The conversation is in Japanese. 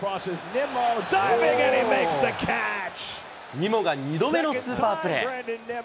ニモが２度目のスーパープレー。